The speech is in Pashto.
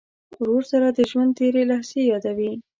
ورور سره د ژوند تېرې لحظې یادوې.